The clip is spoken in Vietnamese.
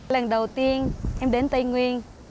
lần đầu tiên em đến tây nguyên